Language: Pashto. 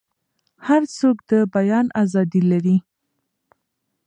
هر څوک د بیان ازادي لري.